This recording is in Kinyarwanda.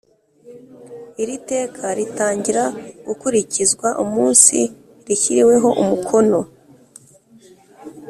Iri teka ritangira gukurikizwa umunsi rishyiriweho umukono